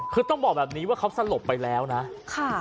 คือต้องบอกแบบนี้ว่าเขาสลบไปแล้วนะค่ะ